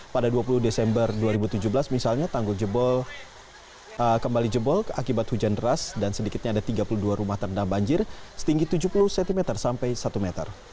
pada dua puluh desember dua ribu tujuh belas misalnya tanggul jebol kembali jebol akibat hujan deras dan sedikitnya ada tiga puluh dua rumah terendam banjir setinggi tujuh puluh cm sampai satu meter